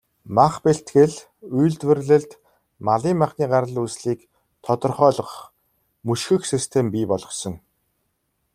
Мах бэлтгэл, үйлдвэрлэлд малын махны гарал үүслийг тодорхойлох, мөшгөх систем бий болгосон.